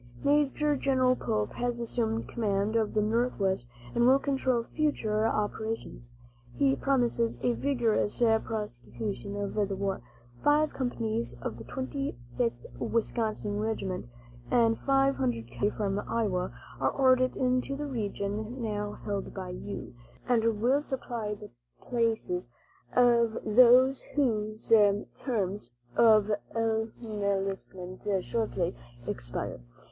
"Major General Pope has assumed command of the Northwest, and will control future operations. He promises a vigorous prosecution of the war. Five companies of the Twenty fifth Wisconsin Regiment and five hundred cavalry from Iowa are ordered into the region now held by you, and will supply the places of those whose terms of enlistment shortly expire.